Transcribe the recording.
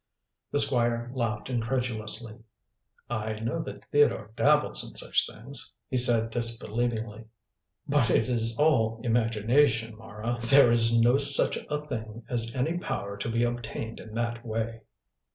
The Squire laughed incredulously. "I know that Theodore dabbles in such things," he said disbelievingly; "but it is all imagination, Mara. There is no such a thing as any power to be obtained in that way."